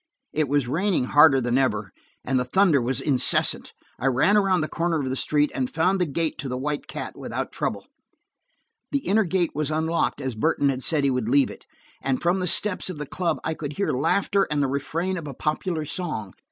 It was raining harder than ever, and the thunder was incessant. I ran around the corner of the street, and found the gate to the White Cat without trouble. The inner gate was unlocked, as Burton had said he would leave it, and from the steps of the club I could hear laughter and the refrain of a popular song.